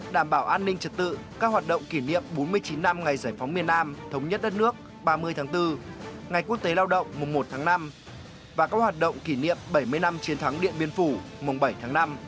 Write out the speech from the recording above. đảm bảo an ninh trật tự các hoạt động kỷ niệm bốn mươi chín năm ngày giải phóng miền nam thống nhất đất nước ba mươi tháng bốn ngày quốc tế lao động mùng một tháng năm và các hoạt động kỷ niệm bảy mươi năm chiến thắng điện biên phủ mùng bảy tháng năm